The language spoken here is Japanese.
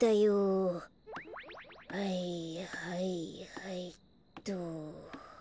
はいはいはいっと。